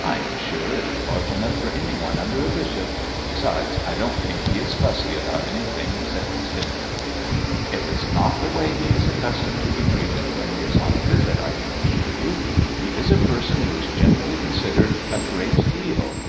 "I am sure it is large enough for any one under a bishop. Besides, I don't think he is fussy about anything except his dinner." "It is not the way he is accustomed to be treated when he is on a visit, I can assure you. He is a person who is generally considered a great deal."